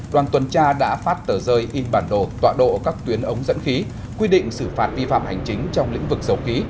đoàn tuần tra đã phát tờ rơi in bản đồ tọa độ các tuyến ống dẫn khí quy định xử phạt vi phạm hành chính trong lĩnh vực dầu khí